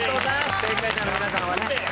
正解者の皆さんはね。